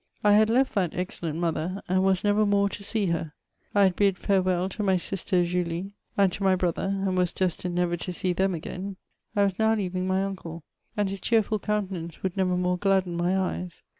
I had left that excellent mother, and was never more to see her ; I had bid £Eurewell to my sister Julie and to my brother, and was destined never to see them again ; I was now leaving my uncle, and his cheerful countenance would never more gladden my eyes.